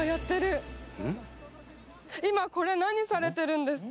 今これ何されてるんですか？